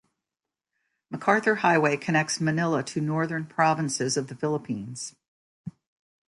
MacArthur Highway connects Manila to northern provinces of the Philippines.